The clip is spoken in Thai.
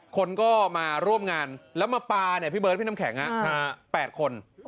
คนก็มาร่วมงานแล้วมาปลาเนี่ยพี่เบิร์ดพี่น้ำแข็ง๘คน